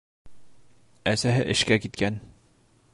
Әсәһе эшкә киткән.